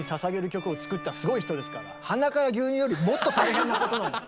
「鼻から牛乳」よりもっと大変なことなんです！